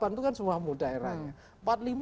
dua ribu delapan itu kan semua muda eranya